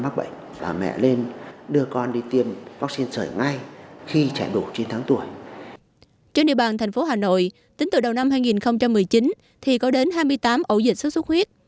trên địa bàn thành phố hà nội tính từ đầu năm hai nghìn một mươi chín thì có đến hai mươi tám ổ dịch xuất xuất huyết